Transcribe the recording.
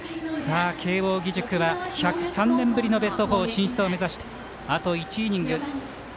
慶応義塾は１０３年ぶりのベスト４進出を目指してあと１イニング。